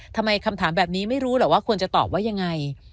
ทำไมคำถามแบบนี้ไม่รู้หรอกว่าควรจะตอบว่ายังไง